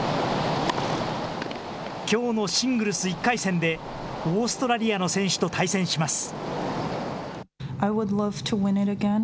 きょうのシングルス１回戦でオーストラリアの選手と対戦します。